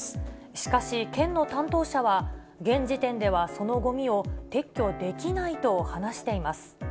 しかし、県の担当者は、現時点では、そのごみを撤去できないと話しています。